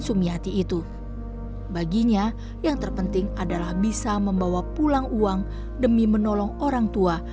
sumiati itu baginya yang terpenting adalah bisa membawa pulang uang demi menolong orang tua